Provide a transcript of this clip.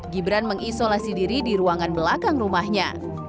gibran mengisolasi diri di ruangan belakang rumahnya